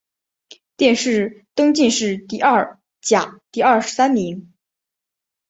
殿试登进士第二甲第二十三名。